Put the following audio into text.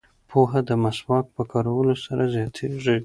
پوهه د مسواک په کارولو سره زیاتیږي.